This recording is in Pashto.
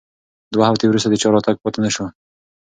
دوه هفتې وروسته د چا راتګ پاتې نه شو.